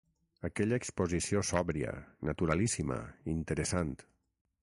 Aquella exposició sòbria, naturalíssima, interessant